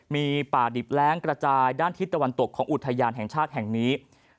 มีป่าดิบแร้งกระจายด้านทิศตะวันตกของอุทยานแห่งชาติแห่งนี้